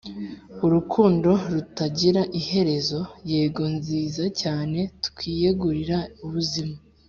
urukundo rutagira iherezo: yego nziza cyane itwiyegurira ubuzima